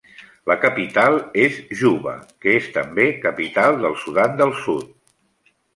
La capital és Juba que és també capital del Sudan del Sud.